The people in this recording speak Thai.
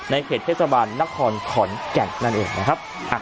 ในเขตเพศาบาลนักศรขอนแก่นนั่นเองนะครับอ่ะ